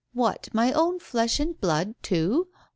"What, my own flesh and blood, too?